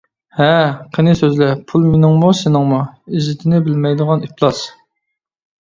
ھە. قىنى سۆزلە. ؟ پۇل مېنىڭمۇ. سېنىڭمۇ. ؟! ئىززىتىنى بىلمەيدىغان ئىپلاس!